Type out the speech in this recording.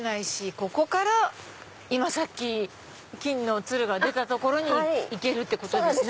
ここから今さっき金の鶴が出た所に行けるんですね。